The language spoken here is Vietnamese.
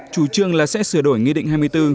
chủ trương là sẽ sửa đổi nghị định hai mươi bốn